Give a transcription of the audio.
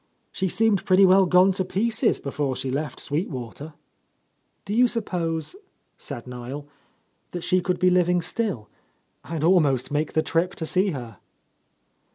She seemed pretty well gone to pieces before she left Sweet Water." "Do you suppose," said Niel, "that she could be living still? I'd almost make the trip to see her."